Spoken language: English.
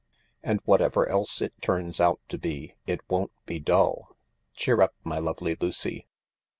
And whatever else it turns out to be, it won't be dull. Cheer up, my lovely Lucy.